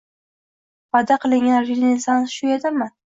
va'da qilingan renessans shu edimi?